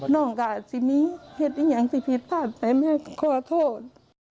น้องก็อาจจะมีเหตุผิดผ่านไปแม่ขอโทษ